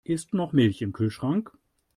Ist noch Milch im Kühlschrank?